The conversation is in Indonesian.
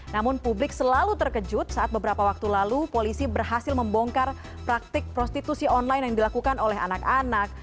namun publik selalu terkejut saat beberapa waktu lalu polisi berhasil membongkar praktik prostitusi online yang dilakukan oleh anak anak